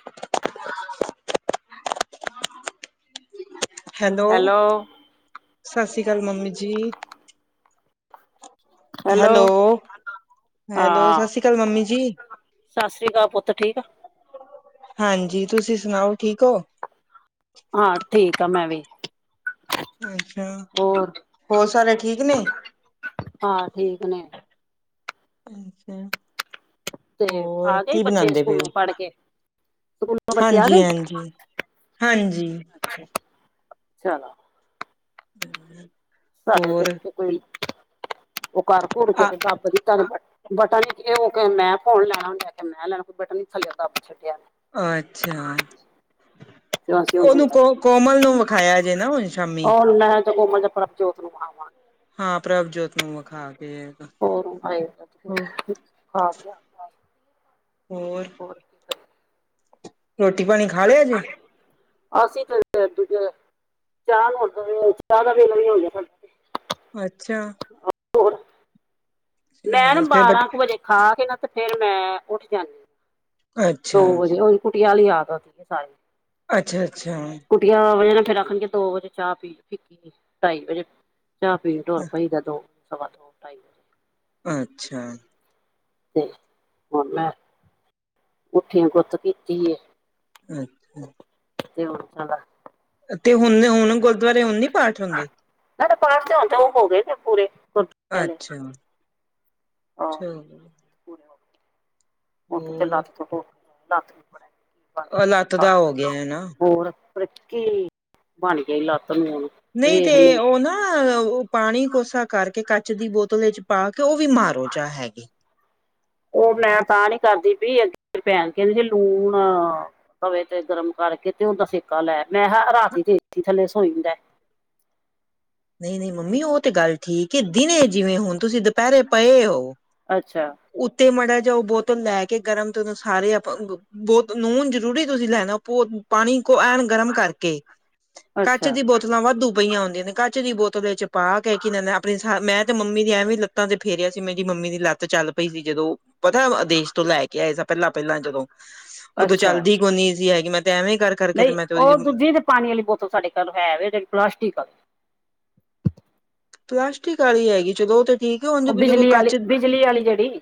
[inaudible] Hello, ਸਤਿ ਸ੍ਰੀ ਅਕਾਲ ਮੰਮੀ ਜੀ ਹੈਲੋ ਹੈਲੋ ਸਤਿ ਹਾਂ ਸ੍ਰੀ ਅਕਾਲ ਮੰਮੀ ਜੀ ਸਤਿ ਸ੍ਰੀ ਅਕਾਲ ਪੁੱਤ ਠੀਕ ਆ ਹਾਂਜੀ ਤੁਸੀਂ ਸੁਣਾਓ ਠੀਕ ਹੋ ਹਾਂ ਠੀਕ ਆ ਮੈਂ ਵੀ ਅੱਛਾ, ਹੋਰ ਹੋਰ ਸਾਰੇ ਠੀਕ ਨੇ ਹਾਂ ਠੀਕ ਨੇ ਅੱਛਾ ਤੇ ਹੋਰ ਆ ਗਏ ਕੀ ਬੱਚੇ ਬਣਾਉਂਦੇ ਸਕੂਲੋਂ ਪੜ੍ਹ ਕੇ, ਸਕੂਲ ਹਾਂਜੀ -ਹਾਂਜੀ, ਹਾਂਜੀ ਚਲੋ ਹਮ ਸਾਡੇ ਤੇ ਉਥੇ ਕੋਈ, ਉਹ ਕਰ ਘੜ ਆ ਕੇ ਤੇ ਬੱਬ ਦੀ ਧਰ ਬਟਨ ਇਹ ਉਹ ਕੇ ਮੈਂ ਫੋਨ ਲੈਣਾ ਆ ਮੈਂ ਲੈਣਾ ਬਟਨ ਥੱਲੇ ਦੱਬ ਛੱਡਿਆ ਅੱਛਾ ਤੇ ਅਸੀਂ ਹੁਣ ਉਹਨੂੰ ਹੁੰਦਾ ਕੋ ਕੋਮਲ ਨੂੰ ਵਿਖਾਇਆ ਜੇ ਨਾ ਹੁਣ ਸ਼ਾਮੀ [unintelligible] ਜੋਤ ਨੂੰ ਹਵਾ ਹਾਂ ਪ੍ਰਭ ਜੋਤ ਨੂੰ ਵਿਖਾ ਕੇ ਹੋਰ ਆਏ ਤੇ ਫਿਰ ਹੋਰ- ਹੋਰ ਰੋਟੀ ਪਾਣੀ ਖਾ ਲਿਆ ਜੇ? [unintelligible] ਅਸੀਂ ਤੇ ਦੂਜੇ ਚਾਹ ਨਾਲ ਚਾਹ ਦਾ ਵੀ ਲੰਗਰ ਹੁੰਦਾ ਨਾ ਅੱਛਾ। ਹੋਰ ਮੈਂ ਨਾ ਫੇਰ ਅੱਛਾ, ਬਾਰਾਂ ਕੁ ਵਜੇ ਖਾ ਕੇ ਨਾ ਤੇ ਫੇਰ ਮੈਂ ਉੱਠ ਜਾਂਣੀ ਹਾਂ। ਦੋ ਵਜੇ ਹੋਹੀ ਕੁਟੀਆਂ ਆਲੀ ਯਾਦ ਆਂਦੀ ਹੈ ਸਾਰੀ। ਅੱਛਾ-ਅੱਛਾ। ਕੁਟੀਆਂ ਵਜੇ ਨਾਲ ਫੇਰ ਆਖਣਗੇ ਦੋ ਵਜੇ ਚਾਹ ਪੀ ਢਾਈ ਵਜੇ ਚਾਹ ਪੀਣ ਟੋਰ ਪਈਦਾ ਦੋ-ਸਵਾਦੋ-ਢਾਈ ਅੱਛਾ। ਤੇ ਹੁਣ ਮੈਂ ਉਠੀ ਹਾਂ ਗੁੱਤ ਕੀਤੀ ਏ। ਹੂੰ। [unintelligible] ਤੇ ਹੁਣ ਹੁਣ ਗੁਰਦੁਆਰੇ ਹੁਣ ਨੀ ਪਾਠ ਹੁੰਦੇ। ਸਾਡੇ ਪਾਠ ਤੇ ਹੁਣ ਤਾਂ ਉਹ ਹੋ ਗਏ ਨੇ ਪੂਰੇ। ਵਾਲੇ ਅੱਛਾ ਹਾਂ ਚ ਪੂਰੇ ਹੋ ਗਏ ਹੋਰ [unintelligible] ਲੱਤ ਦਾ ਗਿਆ ਹੋ ਗਿਆ ਨਾ। ਹੋਰ- ਖਰੇ ਕਿ ਬਣ ਗਿਆ ਈ ਲੱਤ ਨੂੰ ੳਨੂ। ਨਹੀਂ ਤੇ ਉਹ ਨਾ ਪਾਣੀ ਕੋਸਾ ਕਰਕੇ ਕੱਚ ਦੀ ਬੋਤਲ ‌ਦੇ‌ ਵਿੱਚ ਪਾ ਕੇ ਉਹ ਵੀ ਮਾਰੋ ਜਾ ਹੈਗੇ ਉਹ ਮੈਂ ਤਾਂ ਨੀ ਕਰਦੀ ਪਈ ਅੱਗੇ ਮੇਰੀ ਪੈਣ ਕਹਿੰਦੀ ਲੂਣ ਅ ਤਵੇ ਤੇ ਗਰਮ ਕਰਕੇ ਤੇ ਉਹਦਾ ਸੇਕਾ ਲੈ ਮੈਂ ਕਿਹਾ ਰਾਤੀ ਏ ਸੀ ਥੱਲੇ ਸੋਈਦਾ। ਨਹੀਂ-ਨਹੀਂ ਮੰਮੀ ਉਹ ਤੇ ਗੱਲ ਠੀਕ ਏ ਦਿਨੇ ਜਿਵੇਂ ਹੁਣ ਤੁਸੀਂ ਦੁਪਹਿਰੇ ਪਏ ਓ ਅੱਛਾ। ਉੱਤੇ ਮਾੜਾ ਜਿਆ ਉਹ ਬੋਤਲ ਲੈ ਕੇ ਗਰਮ ਤੇ ਉਹਨੂੰ ਸਾਰੇ ਅਪ ਬਹੁਤ ਨੂਨ ਜ਼ਰੂਰੀ ਤੁਸੀਂ ਲੈਣਾ ਭ ਪਾਣੀ ਐਨ ਗਰਮ ਕਰਕੇ ਕੱਚ ਅੱਛਾ ਦੀ ਬੋਤਲਾਂ ਵਾਧੂ ਪਈਆਂ ਹੁੰਦੀਆਂ ਦੀਆਂ ਨੇ ਕੱ ਚ ਦੀ ਬੋਤਲ ਵਿੱਚ ਪਾ ਕੇ ਕਿ ਆਪਣੀ ਮੈਂ ਤੇ ਮੰਮੀ ਦੀ ਐਵੇ ਵੀ ਲੱਤਾਂ ਤੇ ਫੇਰਿਆ ਸੀ ਮੇਰੀ ਮੰਮੀ ਦੀ ਲੱਤ ਚੱਲ ਪਈ ਸੀ ਜਦੋਂ ਪਤਾ ਅਦੇਸ਼ ਤੋਂ ਲੈ ਕੇ ਆਏ ਸ ਪਹਿਲਾਂ-ਪਹਿਲਾਂ ਜਦੋਂ ਉਦੋਂ ਅੱਛਾ ਚੱਲਦੀ ਕੋਨੀ ਸੀ ਹੈਗੀ ਮੈਂ ਤੇ ਐਵੇਂ ਕਰਕੇ ਤੇ ਨਹੀਂ ਮੈਂ ਤੇ ਉਹ ਉਹਦੀ ਦੂਜੀ ਤੇ ਪਾਣੀ ਵਾਲੀ ਬੋਤਲ ਸਾਡੇ ਘਰ ਹੈ ਜਿਹੜੀ ਪਲਾਸਟਿਕ ਪਲਾਸਟਿਕ ਵਾਲੀ ਹੈਗੀ ਚਲੋ ਉਹ ਤਾਂ ਠੀਕ ਏ ਹੁਣ ਉਹ ਜ ਕੋਈ ਬਿਜਲੀ ਵਾਲੀ ਕੱਚ- ਬਿਜਲੀ ਵਾਲੀ ਜਿਹੜੀ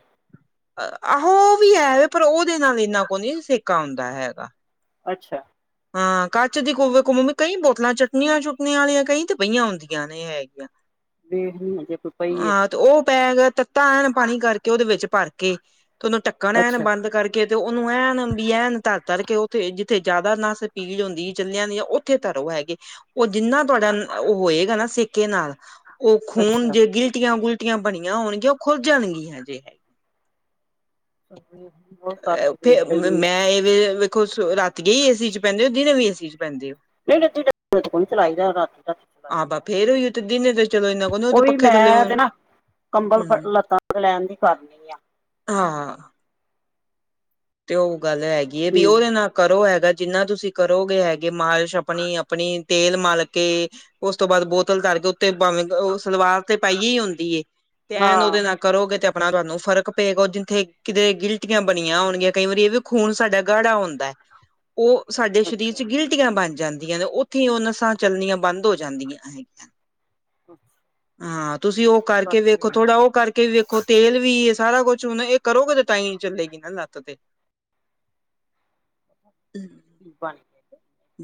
ਆਹੋ ਉਹ ਵੀ ਹੈ ਪਰ ਉਹਦੇ ਨਾਲ ਇੰਨਾ ਕੋਈ ਨੀ ਸੇਕਾ ਆਉਂਦਾ ਹੈਗਾ। ਅੱਛਾ। ਹਾਂ ਕੱਚ ਦੀ ਕੋਮ ਕਈ ਬੋਤਲਾਂ ਚੱਟਣੀਆਂ-ਚੁੱਟਣੀਆਂ ਵਾਲੀਆਂ ਕਈ ਤੇ ਪਈਆਂ ਹੁੰਦੀਆਂ ਨੇ ਇਹ ਹੈਗੀਆਂ। ਬੇਚ-ਬੁਚ ਦਿੰਦੇ ਹਾਂ ਤੇ ਉਹ ਬੈਗ ਤੱਤਾ ਐਨ ਪਾਣੀ ਕਰਕੇ ਉਹਦੇ ਵਿੱਚ ਭਰ ਕੇ ਤੇ ਉਹਨੂੰ ਟੱਕ ਣ ਐਨ ਅੱਛਾ ਬੰਦ ਕਰਕੇ ਕੇ ਤੇ ਉਹਨੂੰ ਐਨ ਵੀ ਐਨ ਤਰ-ਤਰ ਕੇ ਉੱਥੇ ਜਿੱਥੇ ਜ਼ਿਆਦਾ ਨਸ ਪੀੜ ਹੁੰਦੀ ਚੱਲਿਆਂ ਨੀ ਜਾਂ ਉੱਥੇ ਤਰੋ ਹੈਗੇ ਉਹ ਜਿੰਨਾ ਤੁਹਾਡਾ ਉਹ ਹੋਏਗਾ ਨਾ ਸੇਕੇ ਨਾਲ ਉਹ ਖੂਨ ਅੱਛਾ ਜੇ ਗਿਲਟੀਆਂ-ਗੁਲਟੀਆਂ ਬਣੀਆਂ ਹੋਣਗੀਆਂ ਉਹ ਖੁੱਲ ਜਾਣਗੀਆਂ ਜੇ। [inaudible] ਵੇਖ ਫੇਰ ਲੈਣੀ ਆ ਮੈਂ ਇਹਵੇ ਵੇਖੋ ਰਾਤੀ ਗਏ ਹੀ ਏਸੀ ਚ ਬੈਂਦੇ ਹੋ ਦਿਨੇ ਵੀ ਏਸੀ ਚ ਬੈਦੇ ਹੋ। ਨਹੀਂ-ਨਹੀ ਦਿਨੇ-ਦੁਣੇ ਕੋਈ ਨੀ ਚਲਾਈਦਾ ਰਾਤੀ-ਰਾਤੀ। ਆਹ ਫੇਰ ਈਓ ਤੇ ਦਿਨੇ ਤੇ ਚਲੋ ਇੰਨਾ ਕੁ ਨਹੀਂ ਉਹ ਤੇ੍ ਵੀ ਪੱਖੇ ਥੱਲੇ ਮੈਂ ਤੇ ਨਾ ਕੰਬਲ ਹਮ ਲੱਤਾਂ ਤੇ ਲੈਣ ਦੀ ਕਰਨੀ ਆ। ਹਾਂ। ਤੇ ਉਹ ਗੱਲ ਹੈਗੀ ਹੈ, ਵੀ ਉਹਦੇ ਨਾਲ ਕਰੋ ਹੈਗਾ, ਜਿੰਨਾ ਤੁਸੀਂ ਕਰੋਗੇ ਹੈਗੇ ਅਗੇ ਮਾਲਿਸ਼ ਆਪਣੀ ਆਪਣੀ, ਤੇਲ ਮਲ ਕੇ ਉਸ ਤੋਂ ਬਾਅਦ ਬੋਤਲ ਧਰ ਕੇ, ਉੱਤੇ ਬਵੇਂ ਉਹ ਸਲਵਾਰ ਉਤੇ ਪਾਈਏ ਹੀ ਹੁੰਦੀ ਏ, ਤੇ ਐਨ ਹਾਂ ਉਹਦੇ ਨਾਲ ਕਰੋਗੇ ਤੇ ਆਪਣਾ ਤੁਹਾਨੂੰ ਫ਼ਰਕ ਪਏਗਾ, ਜਿੱਥੇ ਕਿਤੇ ਗਿਲਟਿਆਂ ਬਣੀਆਂ ਹੋਣਗੀਆਂ ਕਈ ਵਾਰੀ ਇਹ ਵੀ ਖੂਨ ਸਾਡਾ ਗਾੜਾ ਹੁੰਦਾ ਹੈ, ਉਹ ਸਾਡੇ ਸਰੀਰ ਅੱਛਾ ਚ ਗਿੱਲ ਗਿਲ੍ਹਟਿਆਂ ਆਂ ਬਣ ਜਾਂਦੀਆਂ ਨੇ, ਉੱਥੇ ਹੀ ਉਹ ਨਸਾਂ ਚੱਲਣੀਆਂ ਬੰਦ ਹੋ ਜਾਂਦੀਆਂ ਹੈਗੀਆਂ। ਕੁਛ ਹਾਂ ਤੁਸੀਂ ਉਹ ਕਰਕੇ ਵੇਖੋ, ਥੋੜਾ ਉਹ ਕਰਕੇ ਵੇਖੋ ਤੇਲ ਵੀ ਸਾਰਾ ਕੁਛ, ਹੁਣ ਇਹ ਕਰੋਗੇ ਤੇ ਤਾਂਾਈ ਚੱਲੇਗੀ ਨਾ ਲੱਤ ਤੇ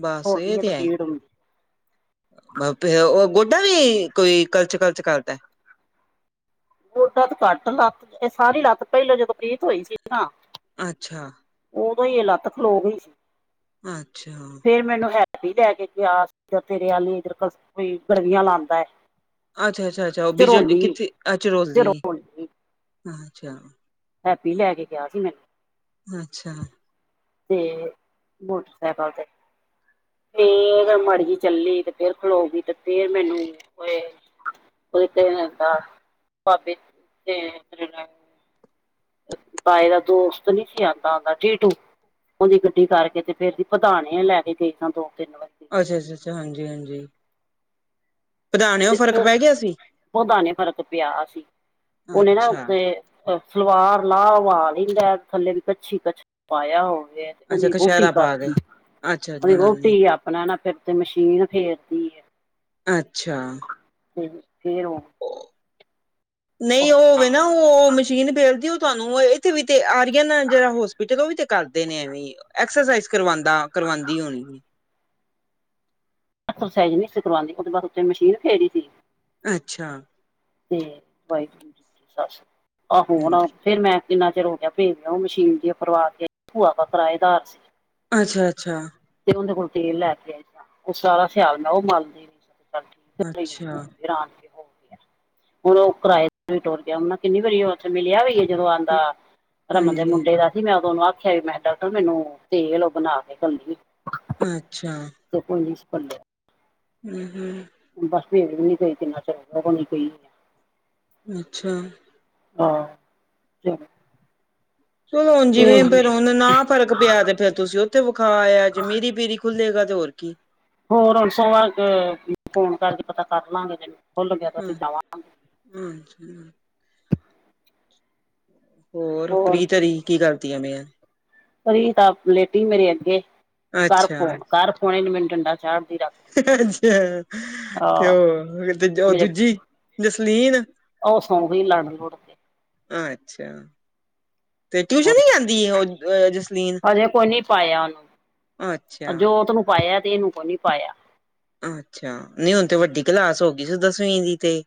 ਬਸ ਇਹ ਤੁਰਨੀ ਆ, ਤੇ ਪੀੜ ਹੁੰਦੀ। ਫੇਰ ਉਹ, ਗੋਡਾ ਵੀ ਕੋਈ ਕਲਚ ਕਲਚ ਕਰਦਾ ਗੋਡਾ ਤੋਂ ਘੱਟ, ਲੱਤ ਇਹ ਸਾਰੀ ਲੱਤ, ਪਹਿਲੋਂ ਜਦੋਂ ਪ੍ਰੀਤ ਹੋਈ ਸੀ ਨਾ ਅੱਛਾ ਉਦੋਂ ਹੀ ਇਹ ਲੱਤ ਖਲੋ ਗਈ ਸੀ। ਅੱਛਾ ਫੇਰ ਮੈਨੂੰ ਹੈਪੀ ਲੈ ਕੇ ਗਯਾ, ਤੇਰੇ ਆਲੀ, ਇਧਰ ਕੋਈ ਗਲਵੀਆਂ ਲਾਉਦਾ ਹੈ ਅੱਛਾ ਅੱਛਾ ਅੱਛਾ ਉਹ ਬੀਜ ਚਰੋਲੀ ਕਿੱਥੇ, ਅੱ ਚਰੋਲੀ ਅੱਛਾ ਹੈਪੀ ਲੈ ਕੇ ਗਿਆ ਸੀ ਮੈਨੂੰ ਅੱਛਾ। ਤੇ ਮੋਟਰਸਾਈਕਲ ਤੇ ਫੇਰ ਮਾੜੀ ਜੀ ਚੱਲੀ, ਤੇ ਫੇਰ ਖਲੋਗੀ, ਤੇ ਫੇਰ ਮੈਨੂੰ [unintelligible] ਪਾਏ ਦਾ ਦੋਸਤ ਨਹੀਂ ਸੀ ਆਉਂਦਾ ਹੋਂਦਾ, ਜੀਟੂ ਉਹਦੀ ਗੱਡੀ ਕਰਕੇ, ਤੇ ਫੇਰ ਦੀ ਪਧਾਨੇ ਲੈ ਕੇ ਗਈ ਤਾਂ ਦੋ ਤਿੰਨ ਵਜੇ ਅੱਛਾ ਅੱਛਾ ਅੱਛਾ ਹਾਂਜੀ ਹਾਂਜੀ ਪਧਾਣਿਓ ਫ਼ਰਕ ਪੈ ਗਿਆ ਸੀ ਓਦਾ ਨਹੀਂ ਫ਼ਰਕ ਪਿਆ ਸੀ, ਉਹਨਾ ਨੇ ਅੱਛਾ ਉੱਤੇ ਸਲਵਾਰ ਲਾਹ ਉ ਲੈਂਦਾ, ਥੱਲੇ ਵੀ ਕੱਛੀ ਕੱਛੀ ਪਾਇਆ ਹੋਵੇ ਅੱਛਾ ਉਹਦੀ ਵੋਟੀ ਕਸ਼ਹਿਰਾ ਪਾ ਕਰਦੀ, ਗਏ ਅੱਛਾ ਉਹਦੀ ਜਨਾਨੀ ਵੋਟੀ ਆਪਣਾ ਨਾ ਫਿਰ ਤੇ ਮਸ਼ੀਨ ਫੇਰਦੀ ਹੈ ਅੱਛਾ। ਫ ਫੇਰ ਉਹ ਉਹ ਨਹੀਂ ਆਪਣਾ ਉਹਵੇ ਨਾ ਉਹ ਮਸ਼ੀਨ ਫੇਲਦੀ, ਉਹ ਤੁਹਾਨੂੰ ਇੱਥੇ ਵੀ ਤੇ ਆ ਜਿਹੜਾ ਹੋਸਪਿਟਲ, ਉਹ ਵੀ ਤੇ ਕਰਦੇ ਨੇ ਐਵੀ, ਐਕਸਰਸਾਈ ਕਰਵਾਉਂਦਾ ਕਰਵਾਉਂਦੀ ਹੋਣੀ ਐਕਸਰਸਾਈਜ਼ ਨਹੀਂ ਸੀ ਕਰਵਾਂਦੀ, ਉਹਦੇ ਬਾਅਦ ਉੱਥੇ ਮਸ਼ੀਨ ਫੇਰੀ ਸੀ ਅੱਛਾ। ਤੇ ਵਾਈਫ ਦੀ ਸੱਸ, ਆਹੋ ਆ ਫਿਰ ਮੈਂ ਕਿੰਨਾ ਚਿਰ ਹੋ ਗਿਆ, ਭੇਜ ਉਹ ਮਸ਼ੀਨ ਜੇ ਪਰਵਾ ਕੇ ਭੂਆ ਦਾ ਕਿਰਾਏਦਾਰ ਸੀ। ਅੱਛਾ ਅੱਛਾ। ਤੇਂ ਉਦੇ ਕੋਲ ਤੇਲ ਲੈ ਕੇ ਉਸ ਦਾ ਸਿਆਲ ਮੈਂ ਉਹ ਮਲਦੀ, ਨ ਚੱਲ ਠੀਕ ਹ ਹੋ ਅੱਛਾ ਗਿਆ ਹੁਣ ਉਹ ਕਿਰਾਏਦਾਰ ਵੀ ਟੁਰ ਗਿਆ, ਉਹ ਕਿੰਨੀ ਵਾਰੀ ਉਹ ਉੱਥੇ ਮਿਲਿਆ ਵੀ ਜਦੋਂ ਆਉਂਦਾ ਰਮਨ ਦੇ ਹਾਂਜੀ ਮੁੰਡੇ ਦਾ ਸੀ, ਮੈਂ ਉਦੋਂਨੂੰ ਆਖਿਆ ਵੀ ਮੈਂ ਕਿਹਾ ਡਾਕਟਰ ਮੈਨੂੰ ਤੇਲ ਔ ਬਣਾ ਕੇ ਕਲਣੀ ਅੱਛਾ [inaudible] ਕੋਈ ਯੂਸ ਪਣ ਹੂ ਹੂ ਬਸ ਭੇੜ ਵੀ ਨੀ ਗਈ ਕਿੰਨਾ ਚਿਰ, ਔ ਦੋ ਦੀ ਗਈ ਹੈ ਅੱਛਾ। ਹਾਂ ਚਲੋੁ ਹੁਣ ਜਿਵੇਂ, ਵੇਖ ਫਿਰ ਉਹ ਨਾ ਫ਼ਰਕ ਪਿਆ ਤੇ ਫਿਰ ਤੁਸੀ ਉਥੇ ਵਿਖਾ ਆਇਆ ਜੇ, ਮੀਰੀ-ਪੀਰੀ ਖੁੱਲੇਗਾ ਤੇ ਹੋਰ ਕੀ। ਹੋਰ, ਹੁਣ ਸੋਮਵਾਰ ਫੋਨ ਕਰਕੇ ਪਤਾ ਕਰਲਾਂਗੇ, ਜੇ ਖੁੱਲ ਗਿਆ ਤਾਂ ਹਾਂ ਅਸੀਂ ਜਾਵਾਂਗੇ। ਅੱਛਾ। ਹੋਰ, ਪ੍ਰੀਤ ਹੋਰੀ ਕੀ ਕਰਦੀਆ ਪਈਆਂ? ਪ੍ਰੀਤ ਆ ਲੇਟੀ ਮੇਰੇ ਅੱਗੇ, ਕਰ ਅੱਛਾ ਫੋਨ, ਕਰ ਫੋਨ, ਏਨ ਮੈਨੂੰ ਡੰਡਾ ਚਾੜਦੀ ਰੱਖ ਅਅਛਛਛਾ। ਤੇ ਉਹ, ਤੇ ਉਹ ਮੇਰੇ ਦੂਜੀ ਜਸਲੀਨ। ਓਵੀ ਲੱੜ-ਲੁੜਦੇ। ਅੱਛਾ। ਤੇ ਟਿਊਸ਼ਨ ਹੋਰ ਨੀ ਜਾਂਦੀ ਉਹ, ਜਸਲੀਨ? ਹਜੇ ਕੋਈ ਨੀ ਪਾਇਆ ਉਹਨੂੰ ਅੱਛਾ। ਜੋਤ ਨੂੰ ਪਾਇਆ ਤੇ, ਇਹਨੂੰ ਕੋ ਨੀ ਪਾਇਆ। ਅੱਛਾ। ਨਹੀ ਹੁਣ ਤੇ ਵੱਡੀ ਕਲਾਸ ਹੋਗੀ ਸੀ, ਦਸਵੀਂ ਦੀ ਤੇ।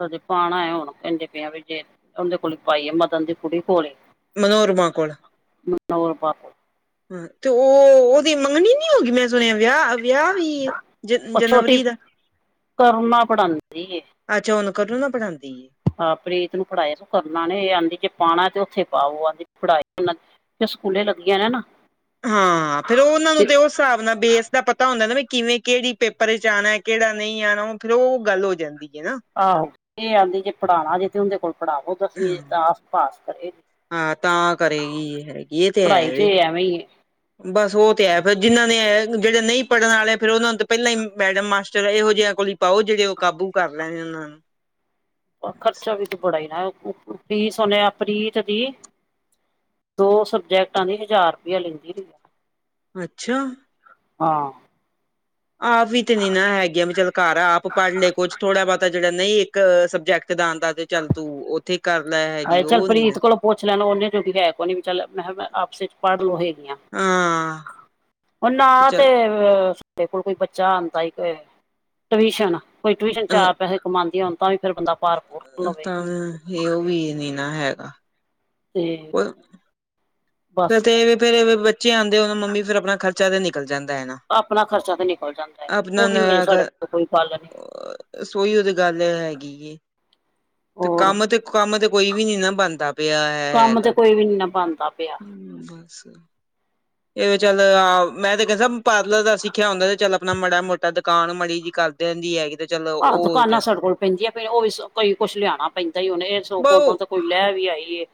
ਕਦੇ ਪਾਣਾ ਐ, ਹੁਣ ਕਹਿੰਦੇ ਪੇ ਆਂ, ਵੀ ਜੇ ਉਹਦੇ ਕੋਲ ਪਾਈਏ, ਮਦਨ ਦੀ ਕੁੜੀ ਕੋਲ। ਮਨੋਹਰਮਾ ਕੋਲ। ਮਨੋਹਰ ਪਾਪਾ ਹੂੰ, ਤੇ ਓਹ ਤੇਰੀ ਮੰਗਣੀ ਨੀ ਹੋਗੀ ਮੈਂ ਸੁਣਿਆ, ਵਿਆਹ, ਵਿਆਹ ਵੀ ਏ ਜਨਵਰੀ ਦਾ? ਤਰਨਾ ਪਢਾਂਦੀ ਏ। ਅੱਛਾ, ਹੁਨ ਕਰੁਣਾ ਪੜ੍ਹਾਂਦੀ ਏ? ਹਾਂ, ਪ੍ਰੀਤ ਨੂੰ ਪੜ੍ਹਾਈਆ ਸੁ ਤਰਣਾ ਨੇ, ਆਂਦੀ ਜੇ ਪਾਣਾ ਤੇ ਉੱਥੇ ਪਾਓ। ਆਂਦੀ ਪੜਾਈਆ ਸਕੂਲੇ ਲੱਗੀਆਂ ਨੇ, ਨਾ। ਹਾਂ, ਫਿਰ ਉਹਨਾਂ ਨੂੰ ਤੇ ਉਸ ਹਿਸਾਬ ਨਾਲ ਬੇਸ ਦਾ ਪਤਾ ਹੁੰਦਾ ਨਾ, ਵੀ ਕਿਵੇਂ, ਕਿਹੜੀ ਪੇਪਰ ਵਿੱਚ ਆਣਾ ਏ। ਕਿਹੜਾ ਨਹੀਂ ਆਣਾ, ਉਹ ਫੇਰ, ਉਹ ਗੱਲ ਹੋ ਜਾਂਦੀ ਹੈ ਨਾ। ਆਹੋ, ਇਹ ਆਂਦੀ ਜੇ ਪੜ੍ਹਾਣਾ ਜੇ, ਤੇ ਉਹੰਦੇ ਕੋਲ ਪੜ੍ਹਾਵੋ ਦਸਵੀਂ, ਦਸ ਪਾਸ ਕਰੇ। ਹਾਂ, ਤਾਂ ਕਰੇਗੀ ਹੈਗੀ, ਇਹ ਤੇ ਪੜਾਈ ਹੈਵੇ। ਐਵੇਂ ਹੀ ਹੈ ਬਸ, ਉਹ ਤੇ ਹੈ ਫਿਰ, ਜਿੰਨਾ ਨੇ, ਜਿਹੜੇ ਨਹੀਂ ਪੜ੍ਹਨ ਵਾਲੇ, ਫਿਰ ਉਹਨਾਂ ਨੂੰ ਤਾਂ ਪਹਿਲਾਂ ਹੀ ਮੈਡਮ, ਮਾਸਟਰ ਇਹੋ ਜਿਹਾ ਕੋਲ ਹੀ ਪਾਓ, ਜਿਹੜੇ ਉਹ ਕਾਬੂ ਕਰ ਲੈਣ ਓਹਨਾਂ ਨੂੰ। [inaudible] ਓਰ ਖਰਚਾ ਵੀ ਤੇ ਬੜਾ ਏਨਾ, ਫੀਸ ਓਹਨੇ ਆ ਪ੍ਰੀਤ ਦੀ ਦੋ ਸਬਜੈਕਟਾਂ ਦੀ ਹਜ਼ਾਰ ਰੁਪਇਆ ਲੈਂਦੀ ਰਹੀ। ਅੱਛਾ! ਹਾਂ। ਆਪ ਵੀ ਤੇ ਨੀ ਨਾ ਹੈਗੀਆਂ, ਵੀ ਚੱਲ ਘਰ ਆਪ ਪੜ੍ਹ ਲਏ ਕੁਝ, ਥੋੜਾ-ਬਹੁਤਾ ਜਿਹੜਾ ਨਹੀਂ ਇੱਕ ਸਬਜੈਕਟ ਦੇ ਆਂਦਾ ਤੇ ਚੱਲ ਤੂੰ, ਉੱਥੇ ਕਰਲੈ। ਹਾਏ ਚੱਲ ਪ੍ਰੀਤ ਕੋਲੋਂ ਪੁੱਛ ਲੈਣ ਉਹਨੇ ਜੋਗੀ ਹੈ ਕੋਨੀ, ਵੀ ਚੱਲ 'ਮੈਂ'ਕਿਹਾ ਆਪਸੇ'ਚ ਪੜ੍ਹ ਲਓ ਹੇਗੀਆਂ। ਹਾਂ। ਉਹ ਨਾ ਤੇ ਚੱਲ ਅ ਸਾਡੇ ਕੋਲ ਕੋਈ ਬੱਚਾ ਆਂਦਾ ਏ, ਟਊਸ਼ਨ। ਕੋਈ ਟਿਊਸ਼ਨ ਅ ਚਾਰ ਪੈੇਹੇ ਕਮਾਂਦੀਆਂ ਹੋਣ, ਤਾਂ ਵੀ ਫਿਰ ਬੰਦਾ ਪਾਰ ਪੂਰ ਲਵੇ ਤਾਂ ਹੇ, ਓਵੀ ਨੀ, ਨਾ ਹੈਗਾ। ਤੇ ਫਿਰ ਬਸ ਤੇ ਏਵੇ ਫੇਰ ਬੱਚੇ ਆਂਦੇ, ਉਹ ਮੰਮੀ ਫਿਰ ਆਪਣਾ ਖਰਚਾ ਤੇ ਨਿਕਲ ਜਾਂਦਾ ਏ ਨਾ। ਆਪਣਾ ਖਰਚਾ ਤੇ ਨਿਕਲ ਜਾਂਦਾ ਏ, ਆਪਣਾ ਉਹ ਵੀ ਨੀ ਹਜੇ ਸਾਡੇ ਕੋਲ ਕੋਈ ਪਾਲਨ ਸੋਈ ਉਹਦੀ ਗੱਲ ਹੈਗੀ ਏ। ਤੇ ਹੋਰ ਕੰਮ ਤੇ, ਕੰਮ ਤੇ ਕੋਈ ਵੀ ਨੀ ਨਾ ਬਣਦਾ ਪਿਆ ਹੈ, ਹੈ। ਮਤਲਬ, ਕੋਈ ਵੀ ਨੀ ਨਾ ਬਣਦਾ ਪਿਆ। ਹੂੰ, ਬਸ। ਇਹ ਚੱਲ, ਆ 'ਮੈਂ'ਤੇ ਕਹਿੰਦਾ ਪਾਰਲਰ ਦਾ ਸਿੱਖਿਆ ਹੁੰਦਾ ਤੇ ਚੱਲ ਆਪਣਾ ਮਾੜਾ ਮ੍ਹੋਟਾ ਕਾਣ ਮਾੜੀ ਜੀ, ਕਰ ਦੇਂਦੀ ਹੈਗੀ। ਤੇ ਚੱਲ ਆਹ ਉਹ ਦੁਕਾਨਾਂ ਸਾਡੇ ਕੋਲ ਭੈਣਜੀ ਆ ਫਿਰ ਓ ਵੀ ਕਈ ਕੁਛ ਲਿਆਉਣਾ ਪੈਂਦਾ ਇ ਹੁਣ ਏ ਸੁਖ ਬਹੁ ਕੋਈ ਲੈ ਵੀ ਆਈ ਏ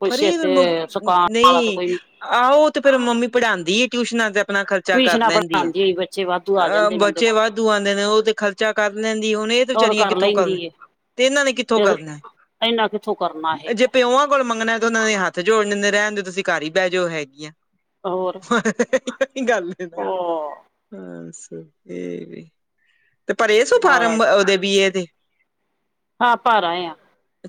ਕੋਈ ਸਿਰ ਫਰੀ, ਤੇ ਸੁਕਾਉਣ ਵਾਲਾ ਤੇ ਨਹੀਂ ਕੋਈ ਆਹ ਓ ਤੇ ਫਿਰ ਮੰਮੀ ਪੜ੍ਹਾਉਂਦੀ ਟਿਊਸ਼ਨਾਂ ਤੇ ਆਪਣਾ ਖਰਚ ਖਰਚਾ ਕਰ ਟਿਊਸ਼ਨਾਂ ਲੈਂਦੀ ਹੈ, ਪੜ੍ਹਾਉਂਦੀ ਹੋਈ ਬੱਚੇ ਵਾਧੂ ਆ ਅਹ ਜਾਂਦੇ ਨੇ ਉਹਦੇ ਬੱਚੇ ਕੋਲ ਤੇ ਵਾਧੂ ਆਉਂਦੇ ਨੇ ਉਹ ਤੇ ਖਰਚਾ ਕਰ ਲੈਂਦੀ ਏ ਹੁਣ ਇਹ ਉਹ ਤਾਂ ਵਿਚਾਰੀਆਂ ਕਰ ਕਿੱਥੋਂ ਲੈਂਦੀ ਕਰਨ, ਏ ਤੇ ਇਹਨਾਂ ਨੇ ਕਿੱਥੋਂ ਤੇ ਕਰਨਾ, ਇੰਨਾ ਕਿੱਥੋਂ ਕਰਨਾ ਜੇ ਹੈਗਾ ਪਿਉਾਂ ਕੋਲ ਮੰਗਣਾ ਤੇ ਉਹਨਾਂ ਨੇ ਹੱਥ ਜੋੜ ਦਿੰਦੇ, ਰਹਿਣ ਦੇ ਤੁਸੀਂ ਘਰ ਹੀ ਬਹਿ ਜਾਓ ਹੈਗੀਆ ਹੋਰ ਹਾ ਹਾ ਹਾਹਾ ਹੀ ਪਕੀ ਗਲ ਏ ਨਾ, ਉਹ ਹੱਸ ਇਹ ਵੀ ਤੇ ਭਰੇ ਸੀ ਫਾਰਮ ਅ ਮਹਾਰਾਜ ਉਹਦੇ ਬੀਏ ਦੇ ਹਾਂ ਭਰ ਆਏ ਹਾਂ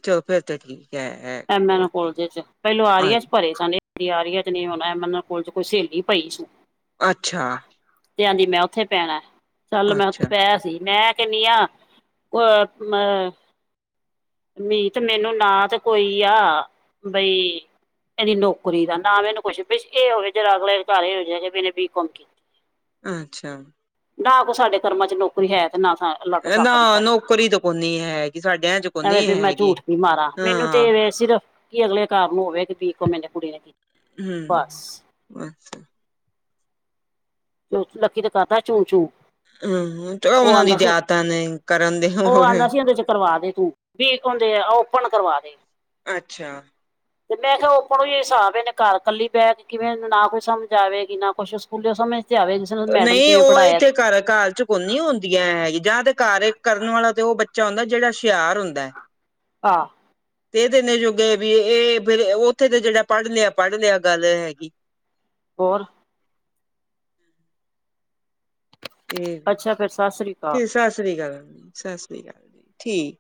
ਚਲੋ ਫੇਰ ਤਾਂ ਠੀਕ ਹੈ, ਹੈ ਐਮ ਐ ਕਾਲਜ 'ਚ, ਪਹਿਲਾ ਆਰੀਆ 'ਚ ਭਰੇ ਸਾਡੇ ਕਹਿੰਦੀ ਆਰੀਆ 'ਚ ਨਹੀ ਹੋਣਾ, ਐਮ ਐ ਕਾਲਜ 'ਚ ਕੋਈ ਸਹੇਲੀ ਪਈ ਸੀ ਅੱਛਾ ਤੇ ਆਉਂਦੀ ਮੈਂ ਉੱਥੇ ਪੈਣਾ, ਚੱਲ ਮੈਂ ਉੱਥੇ ਅੱਛਾ ਪੈ ਸੀ ਮੈਂ ਕਹਿੰਨੀ ਆ ਅ ਮੇ, ਮੀਤ ਮੈਨੂੰ ਨਾ ਤੇ ਕੋਈ ਆ, ਬਈ ਇਹਦੀ ਨੌਕਰੀ ਦਾ ਨਾ ਮੈਨੂੰ ਕੁੱਛ ਵੀ ਇਹ ਹੋਵੇ ਜਰਾ ਅਗਲੇ ਘਰ ਇਹ ਹੋ ਜਾਵੇ ਵੀ ਇਹਨੇ ਬੀਕੌਮ ਕੀਤੀ ਅੱਛਾ ਨਾ ਕੋਈ ਸਾਡੇ ਕਰਮਾਂ 'ਚ ਨੌਕਰੀ ਹੈ ਤੇ ਨਾ ਲੱਗ ਸਕਦੀ ਨਾ ਸਾਡੀ, ਨੌਕਰੀ ਤਾਂ ਕੋਨੀ ਹੈਗੀ ਸਾਡਿਆਂ ਚ ਐਵੇਂ ਕੋਨੀ ਵੀ ਮੈਂ ਹੈਗੀ ਝੂਠ ਵੀ ਮਾਰਾ ਹਾਂ ਏ ਸਿਰਫ, ਕੀ ਅਗਲੇ ਘਰ ਨੂੰ ਹੋਵੇ ਕਿ ਵੀਕੋਮ ਏਨੇ ਕੁੜੀ ਨੇ ਕੀਤੀ ਹਮ, ਬਸ ਅਛਾ ਲੱਕੀ ਤੇ ਕਰਦਾ ਏ ਚੂੰ -ਚੂੰ ਹਮ ਚਲੋ ਉਹ ਉਹਨਾਂ ਦੀ ਆਉਂਦਾ ਤੇ ਸੀ, ਆਦਤਾਂ ਨੇ ਕਰਨ ਦੇ ਉਹ ਹੋਰ ਆਉਂਦਾ ਸੀ ਇਹਦੇ 'ਚ ਕਰਵਾ ਦੇ ਤੂੰ ਵੀਕੋਮ ਦੇ ਆ ਓਪਨ ਕਰਵਾ ਦੇ ਅੱਛਾ ਤੇ ਮੈਂ ਕਿਹਾ ਉਪਨ ਹੀ ਹਿਸਾਬ ਨੇ ਘਰ ਕੱਲੀ ਬਹਿ ਕੇ ਕਿਵੇਂ ਨਾ ਕੋਈ ਸਮਝ ਆਵੇਗੀ ਨਾ ਕੁਛ ਸਕੂਲੇ ਸਮਝ [inaudible] ਨਹੀਂ ਕਿਵੇਂ ਉਹ ਪੜ੍ਹਾਇਆ ਇੱਥੇ ਘਰ, ਘਰ ਚੁ ਹੁਣ ਨੀ ਹੁੰਦੀਆਂ ਹੈਗੀ, ਜਾਂ ਤੇ ਘਾਰ ਕਰਨ ਵਾਲਾ ਤੇ ਉਹ ਬੱਚਾ ਹੁੰਦਾ ਜਿਹੜਾ ਸ਼ਿਆਰ ਹੁੰਦਾ ਐ। ਆ ਤੇ ਜਿੰਨੇ ਜੋੁਗੇ ਵੀ ਇਹ ਫਿਰ ਉੱਥੇ ਤੇ ਜਿਹੜਾ ਪੜ੍ਹ ਲਿਆ ਪੜ੍ਹ ਗੱਲ ਹੈਗੀ ਹੋਰ ਇਹ, ਅੱਛਾ ਫਿਰ ਸਤਿ ਸ੍ਰੀ ਅਕਾਲ ਫਿਰ ਸਤਿ ਸ੍ਰੀ ਅਕਾਲ ਸਤਿ ਸ੍ਰੀ ਅਕਾਲ ਜੀ, ਠੀਕ